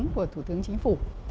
của thủ tướng chính phủ